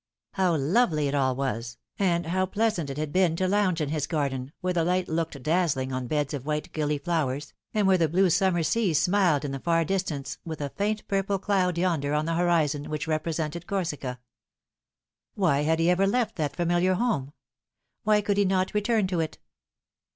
How lovely it all was, and how pleasant it had been to lounge in his garden, where the light looked dazzling on beds of white gilly flowers, and where the blue summer sea smiled in the far distance, with a faint purple cloud yonder on the horizon which represented Corsica ! Why had he ever left that familiar home ? Why could he not return to it